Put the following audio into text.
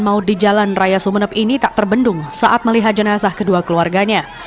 mau di jalan raya sumeneb ini tak terbendung saat melihat jenazah kedua keluarganya